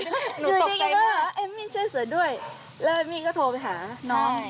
ช่วยเสือด้วยเอมมี่ช่วยเสือด้วยแล้วเอมมี่ก็โทรไปหาน้อง